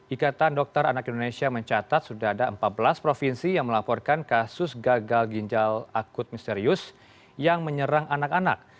ikatan dokter anak indonesia mencatat sudah ada empat belas provinsi yang melaporkan kasus gagal ginjal akut misterius yang menyerang anak anak